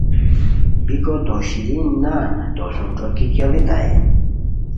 بیکو تو شیرین نان تو سوم ݯوکی کیڑیتائے